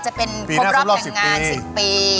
จะเป็นครบรอบแต่งงาน๑๐ปี